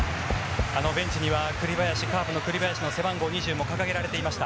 ベンチにはカープの栗林のユニホームも掲げられていました。